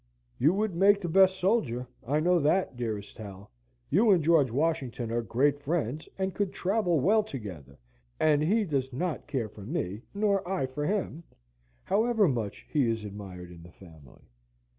"You would make the best soldier, I know that, dearest Hal. You and George Washington are great friends, and could travel well together, and he does not care for me, nor I for him, however much he is admired in the family.